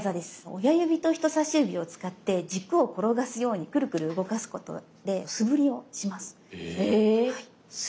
親指と人さし指を使って軸を転がすようにクルクル動かすことで素振りをします。